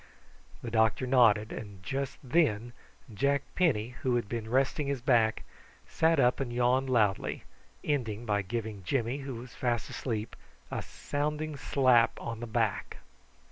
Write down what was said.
The doctor nodded; and just then Jack Penny, who had been resting his back, sat up and yawned loudly, ending by giving Jimmy, who was fast asleep, a sounding slap on the back.